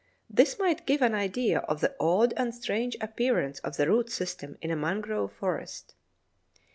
This may give an idea of the odd and strange appearance of the root system in a mangrove forest.